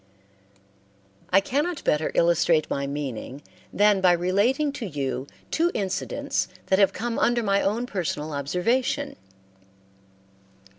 I cannot better illustrate my meaning than by relating to you two incidents that have come under my own personal observation.